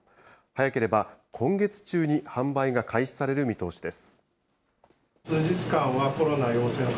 早ければ今月中に販売が開始される見通しです。